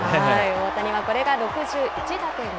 大谷はこれが６１打点目。